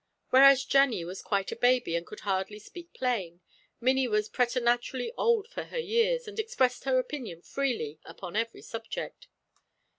Whereas Jennie was quite a baby, and could hardly speak plain, Minnie was preternaturally old for her years, and expressed her opinion freely upon every subject.